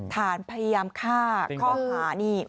ฐานพยายามฆ่าข้อหานี่